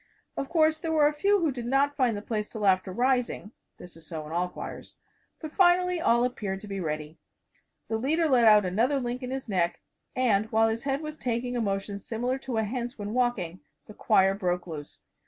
Of course, there were a few who did not find the place till after rising this is so in all choirs but finally all appeared to be ready. The leader let out another link in his neck, and while his head was taking a motion similar to a hen's when walking, the choir broke loose.